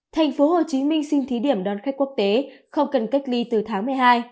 thành phố hồ chí minh xin thí điểm đón khách quốc tế không cần cách ly từ tháng một mươi hai